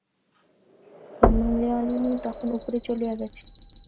হেমনলিনী তখন উপরে চলিয়া গেছে।